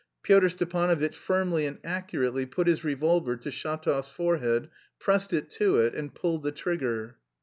Pyotr Stepanovitch firmly and accurately put his revolver to Shatov's forehead, pressed it to it, and pulled the trigger.